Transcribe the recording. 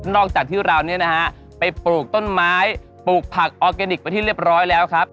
จากที่เราเนี่ยนะฮะไปปลูกต้นไม้ปลูกผักออร์แกนิคไปที่เรียบร้อยแล้วครับ